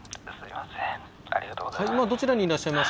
今どちらにいらっしゃいます？